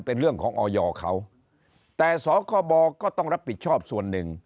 เป็นเรื่องของออยเขาแต่สคบก็ต้องรับผิดชอบส่วนหนึ่ง